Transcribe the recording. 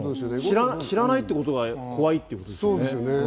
知らないということが怖いということですね。